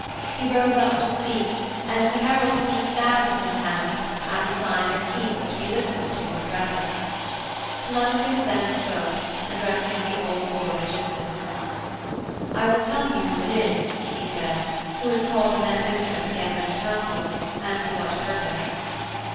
He rose up to speak and the herald put a staff into his hands as a sign that he was to be listened to with reverence. Telemachus then spoke, addressing the old lord Ægyptus. 'I will tell you who it is,' he said, 'who has called the men of Ithaka together in council, and for what purpose.